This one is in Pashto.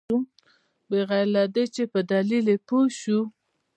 بغیر له دې چې په دلیل یې پوه شوو.